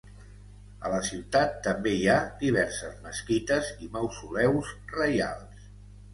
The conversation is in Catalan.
A la ciutat també hi ha diverses mesquites i mausoleus reials.